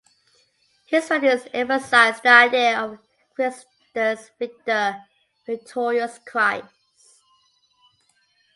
His writings emphasized the idea of "Christus victor" ("Victorious Christ").